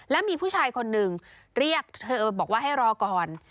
แล้วมีผู้ชายคนหนึ่งเรียกเธอบอกว่าให้รอก่อน